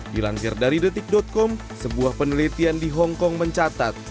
dilansir dari detik com sebuah penelitian di hongkong mencatat